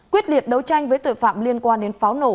quyết liệt đấu tranh với tội phạm liên quan đến pháo nổ